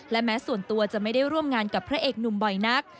และแม้ส่วนตัวจะไม่ได้ร่วมงานกับพระเอกหนุ่มบ่อยนัก